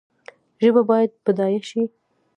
ژبه باید بډایه شي